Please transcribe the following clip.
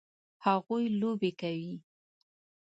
هغوی لوبې کوي